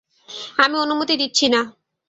আমি অনুমতি দিচ্ছি না।